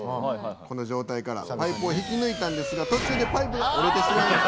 この状態からパイプを引き抜いたんですが途中でパイプが折れてしまいます。